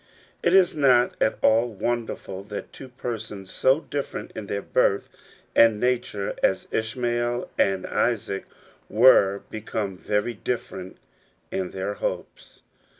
T is not at all wonderful that two persons, so different in their birth and nature as Ishmael and Isaac were, became very different in their hopes.